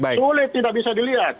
sulit tidak bisa dilihat